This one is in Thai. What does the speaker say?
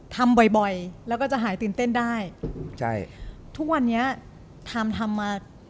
ทุกวันนี้ทำมา